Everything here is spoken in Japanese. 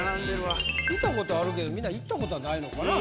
見たことあるけどみんな行ったことはないのかな。